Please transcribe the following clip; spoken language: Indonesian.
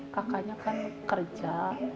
kakaknya kan kerja